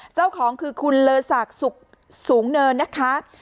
เจ้าของคือคุณเลอศักดิ์สุขสูงเนินนะคะ